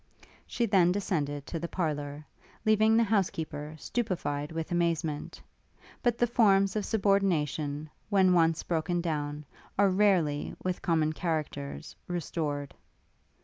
She then descended to the parlour, leaving the housekeeper stupified with amazement. But the forms of subordination, when once broken down, are rarely, with common characters, restored.